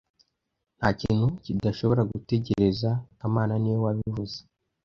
Ntakintu kidashobora gutegereza kamana niwe wabivuze